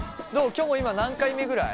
きょも今何回目ぐらい？